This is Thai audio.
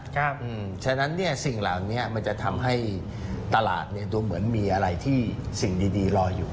เพราะฉะนั้นสิ่งเหล่านี้มันจะทำให้ตลาดดูเหมือนมีอะไรที่สิ่งดีรออยู่